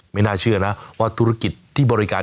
ไม่น่าเชื่อนะว่าธุรกิจที่บริการ